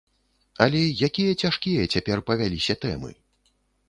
Але якія цяжкія цяпер павяліся тэмы!